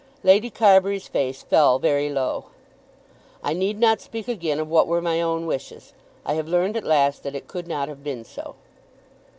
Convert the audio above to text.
Lady Carbury's face fell very low. "I need not speak again of what were my own wishes. I have learned at last that it could not have been so."